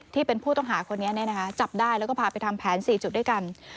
ที่เป็นผู้ต้องหาคนนี้จับได้แล้วก็พาไปทำแผน๔จุดด้วยกัน